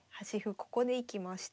ここで行きました。